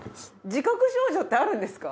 自覚症状ってあるんですか？